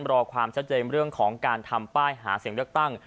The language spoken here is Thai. รอความชัดเจนเรื่องของการทำป้ายหาเสียงเลือกตั้ง